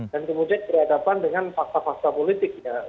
dan kemudian berhadapan dengan fakta fakta politiknya